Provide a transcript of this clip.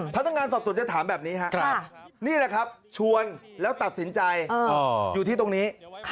พนักงานสอบสวนจะถามแบบนี้ครับนี่แหละครับชวนแล้วตัดสินใจอยู่ที่ตรงนี้